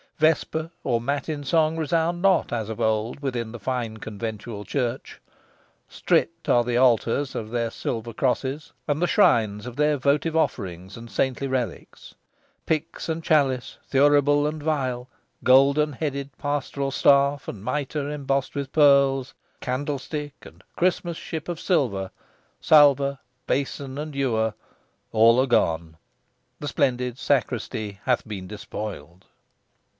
Vesper or matin song resound not as of old within the fine conventual church. Stripped are the altars of their silver crosses, and the shrines of their votive offerings and saintly relics. Pyx and chalice, thuribule and vial, golden headed pastoral staff, and mitre embossed with pearls, candlestick and Christmas ship of silver; salver, basin, and ewer all are gone the splendid sacristy hath been despoiled.